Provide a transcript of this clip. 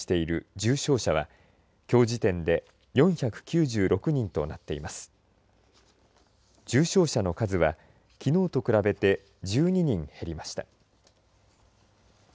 重症者の数はきのうと比べて１２人減りました。